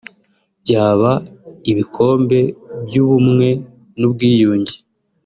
byaba ibikombe by’ubumwe n’ubwiyunge